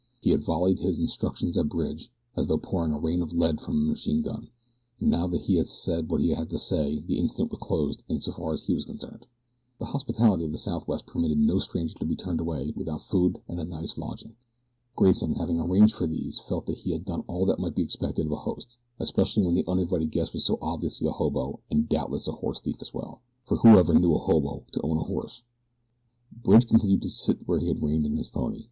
He had volleyed his instructions at Bridge as though pouring a rain of lead from a machine gun, and now that he had said what he had to say the incident was closed in so far as he was concerned. The hospitality of the Southwest permitted no stranger to be turned away without food and a night's lodging. Grayson having arranged for these felt that he had done all that might be expected of a host, especially when the uninvited guest was so obviously a hobo and doubtless a horse thief as well, for who ever knew a hobo to own a horse? Bridge continued to sit where he had reined in his pony.